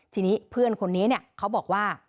ทีนี้เพื่อนคนนี้เขาบอกว่า